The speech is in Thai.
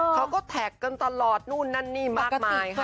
เขาก็แท็กกันตลอดนู่นนั่นนี่มากมายค่ะ